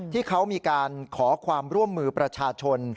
ที่เขามีการขอความร่วมมือประชาชน